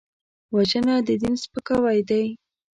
وژنه د دین سپکاوی دی